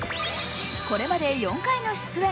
これまで４回の出演。